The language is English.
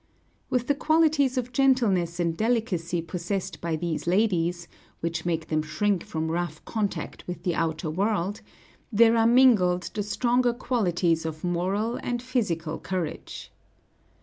With the qualities of gentleness and delicacy possessed by these ladies, which make them shrink from rough contact with the outer world, there are mingled the stronger qualities of moral and physical courage.